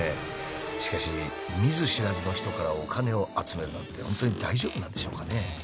しかし見ず知らずの人からお金を集めるなんて本当に大丈夫なんでしょうかね？